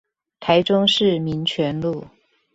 台中市民權路